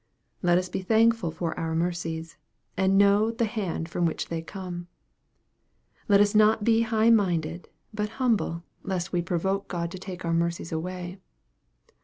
Let us be thankful for our mercies, and know the hand from which they come. Let us not be high minded ; but humble, lest we provoke 248 EXPOSITORY THOUGHTS. God to take our mercies away.